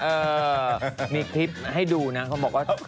เออมีคลิปให้ดูนะเขาบอกว่า